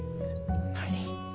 はい。